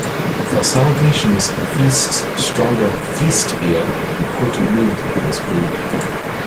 For celebrations and feasts, stronger "feast-beer" and potent mead was brewed.